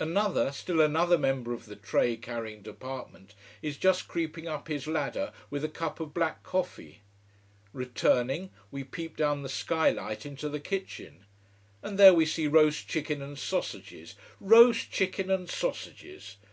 Another, still another member of the tray carrying department is just creeping up his ladder with a cup of black coffee. Returning, we peep down the sky light into the kitchen. And there we see roast chicken and sausages roast chicken and sausages!